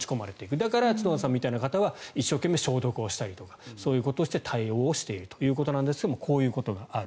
だから角田さんのような方は一生懸命、消毒をしたりとかそういったことをして対応しているということですがこういうことがある。